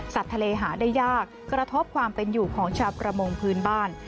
ทะเลหาได้ยากกระทบความเป็นอยู่ของชาวประมงพื้นบ้าน